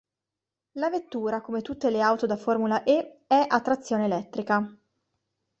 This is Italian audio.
La vettura, come tutte le auto da Formula E, è a trazione elettrica.